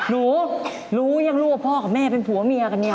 หนูรู้ยังลูกว่าพ่อกับแม่เป็นผัวเมียกันเนี่ย